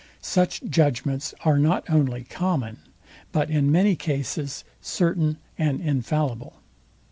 Such judgments are not only common, but in many cases certain and infallible.